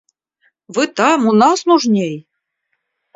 Вы — там, у нас, нужней!